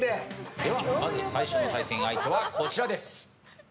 では、まず最初の対戦相手はこちらです。